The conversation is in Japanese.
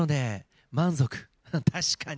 確かに。